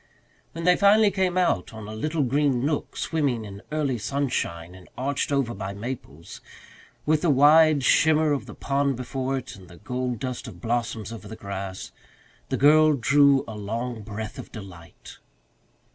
When they finally came out on a little green nook swimming in early sunshine and arched over by maples, with the wide shimmer of the pond before it and the gold dust of blossoms over the grass, the girl drew a long breath of delight.